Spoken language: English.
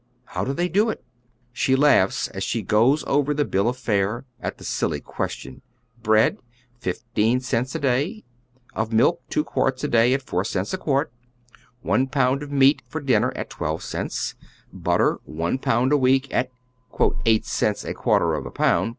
How do they do it t She laughs, as she goes over the bill of fare, at the silly question : Bi ead, fifteen cents a day, of milk two quarts a day at four cents a quart, one pound of meat for dinner at twelve (rents, butter one pound a ireek at " eight cents a quarter of a pound."